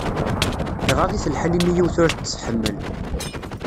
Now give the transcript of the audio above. Iɣaḍ-it lḥal imi yiwet ur t-tḥemmel.